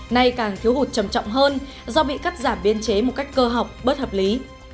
nay càng thiếu hụt trầm trọng hơn do bị cắt giảm biên chế một cách cơ học bất hợp lý